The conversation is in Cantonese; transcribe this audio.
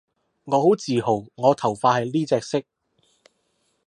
我好自豪我頭髮係呢隻色